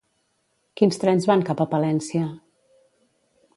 Quins trens van cap a Palència?